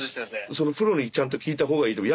そのプロにちゃんと聞いた方がいいと思う。